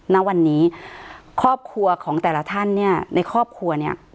ณวันนี้ครอบครัวของแต่ละท่านเนี่ยในครอบครัวเนี่ย